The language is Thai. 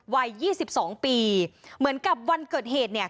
วัยยี่สิบสองปีเหมือนกับวันเกิดเหตุเนี้ย